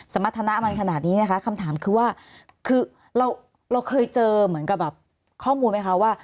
สมรรถนะมันขนาดนี้นะคะคำถามคือว่าคือเราเคยเจอเหมือนกับแบบข้อมูลไหมคะว่า